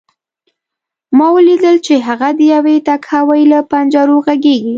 ما ولیدل چې هغه د یوې تهکوي له پنجرو غږېږي